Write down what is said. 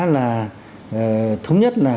là thống nhất là